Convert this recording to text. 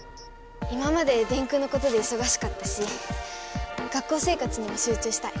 今まで「電空」のことでいそがしかったし学校生活にもしゅう中したい。